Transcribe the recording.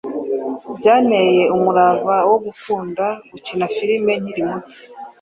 Byanteye umurava wo gukunda gukina filimi nkiri muto